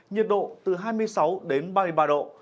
nhiệt độ từ hai mươi sáu đến ba mươi ba độ